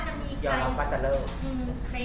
ในส่วนความรู้สึกของพี่ธัญญา